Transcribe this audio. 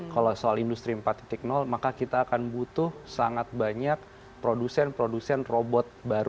kalau soal industri empat maka kita akan butuh sangat banyak produsen produsen robot baru